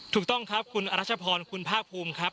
ถูกต้องครับคุณอรัชพรคุณภาคภูมิครับ